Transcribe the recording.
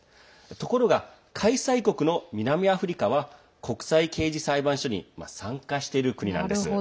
ところが、開催国の南アフリカは国際刑事裁判所に参加している国なんです。